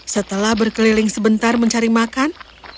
setelah berkeliling sebentar mencari makan